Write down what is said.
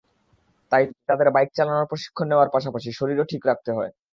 তাই তাঁদের বাইক চালানোর প্রশিক্ষণ নেওয়ার পাশাপাশি শরীরও ঠিক রাখতে হয়।